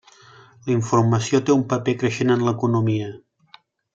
La informació té un paper creixent en l'economia.